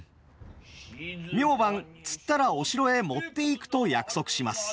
明晩釣ったらお城へ持っていくと約束します。